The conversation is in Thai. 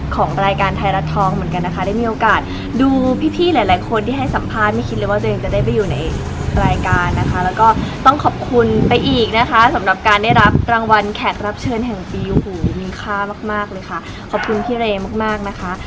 ของรายการไทยรัฐท้องเหมือนกันนะคะได้มีโอกาสดูพี่พี่หลายหลายคนที่ให้สัมภาษณ์ไม่คิดเลยว่าตัวเองจะได้ไปอยู่ในรายการนะคะแล้วก็ต้องขอบคุณไปอีกนะคะสำหรับการได้รับรางวัลแขกรับเชิญแห่งปีโอ้โหมีค่ามากมากเลยค่ะขอบคุณพี่เรย์มากมากนะคะ